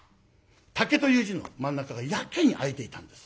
「竹」という字の真ん中がやけに空いていたんです。